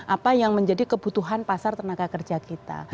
apa yang menjadi kebutuhan pasar tenaga kerja kita